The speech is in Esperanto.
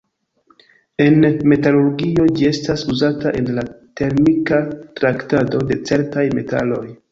En metalurgio, ĝi estas uzata en la termika traktado de certaj metaloj.